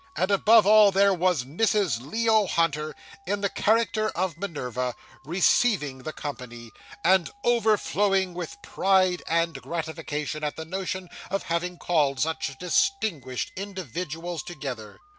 And above all, there was Mrs. Leo Hunter in the character of Minerva, receiving the company, and overflowing with pride and gratification at the notion of having called such distinguished individuals together.